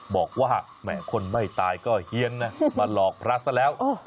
บอกว่าแหมคนไม่ตายก็เฮียนนะมาหลอกพระซะแล้ว